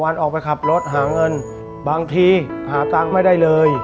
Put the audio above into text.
ตอนนี้หาตักไม่ได้เลย